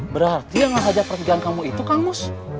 berarti yang ngehajar pertigaan kamu itu kang mus